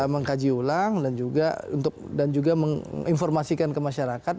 mengkaji ulang dan juga menginformasikan ke masyarakat